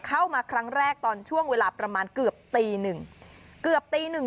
เข้ามาครั้งแรกตอนช่วงเวลาประมาณเกือบตีหนึ่งเกือบตีหนึ่ง